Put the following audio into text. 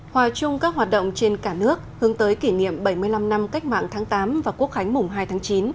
hòa chung các hoạt động trên cả nước hướng tới kỷ niệm bảy mươi năm năm cách mạng tháng tám và quốc khánh mùng hai tháng chín